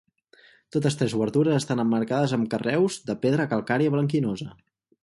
Totes tres obertures estan emmarcades amb carreus de pedra calcària blanquinosa.